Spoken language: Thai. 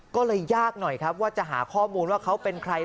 ก็เลยยากหน่อยครับว่าจะหาข้อมูลว่าเขาเป็นใคร